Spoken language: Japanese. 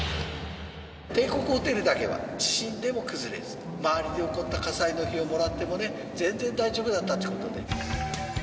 帝国ホテルだけは地震でも崩れず周りで起こった火災の火をもらってもね全然大丈夫だったってことで。